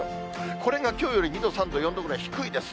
これがきょうより、２度、３度、４度ぐらい低いですね。